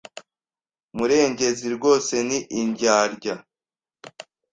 Murengezi rwose ni indyarya.